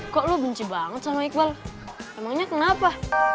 kok lo benci banget sama iqbal emangnya kenapa